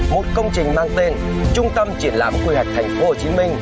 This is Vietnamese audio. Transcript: một công trình mang tên trung tâm triển lãm quy hoạch thành phố hồ chí minh